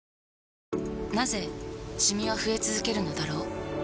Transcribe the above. なぜシミは増え続けるのだろう